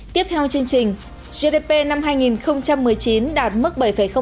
tiếp theo chương trình gdp năm hai nghìn một mươi chín đạt mức bảy năm